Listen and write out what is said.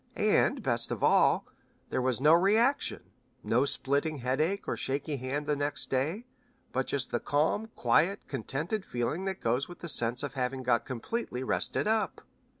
And, best of all, there was no reaction: no splitting headache or shaky hand the next day, but just the calm, quiet, contented feeling that goes with the sense of having got completely rested up."